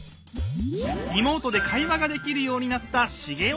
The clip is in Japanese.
リモートで会話ができるようになったシゲおばあちゃん。